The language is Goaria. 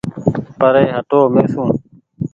پري هٽو ميسون